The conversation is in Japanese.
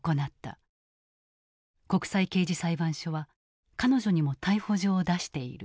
国際刑事裁判所は彼女にも逮捕状を出している。